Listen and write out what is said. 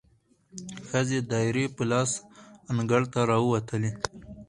ښځې دایرې په لاس انګړ ته راووتلې،